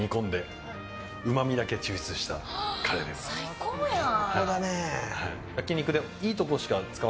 最高やん。